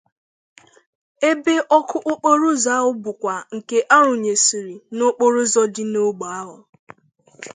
ebe ọkụ okporoụzọ ahụ bụkwa nke a rụnyesiri n'okporoụzọ dị n'ógbè ahụ.